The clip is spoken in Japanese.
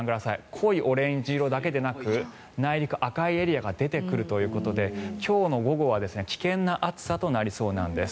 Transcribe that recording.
濃いオレンジ色だけでなく内陸、赤いエリアが出てくるということで今日の午後は危険な暑さとなりそうなんです。